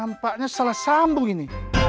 nampaknya salah sambung ini